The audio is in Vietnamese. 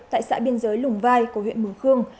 tại xã biên giới lùng vai của huyện mường khương